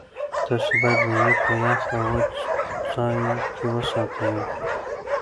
تاسو باید مېوې په یخ او وچ ځای کې وساتئ.